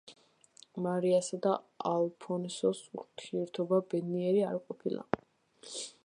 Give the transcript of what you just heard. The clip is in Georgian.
მარიასა და ალფონსოს ურთიერთობა ბედნიერი არ ყოფილა.